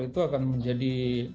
itu akan menjadi